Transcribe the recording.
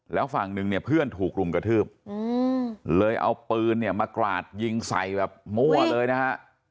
แล้วฝั่งหนึ่งเนี่ยเพื่อนถูกรุมกระทืบเลยเอาปืนเนี่ยมากราดยิงใส่แบบมั่วเลยนะฮะ